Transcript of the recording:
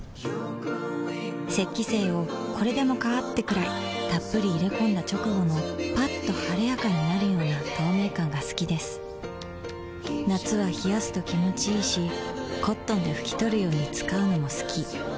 雪肌精をこれでもかーってくらいっぷり入れ込んだ直後のッと晴れやかになるような透明感が好きです夏は冷やすと気持ちいいし灰奪肇で拭き取るように使うのも好き